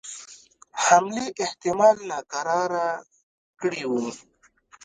حملې احتمال ناکراره کړي وه.